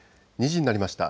２時になりました。